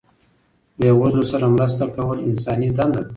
بې وزلو سره مرسته کول انساني دنده ده.